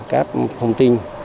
cáp thông tin